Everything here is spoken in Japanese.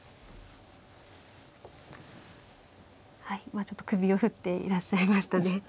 はい今ちょっと首を振っていらっしゃいましたね。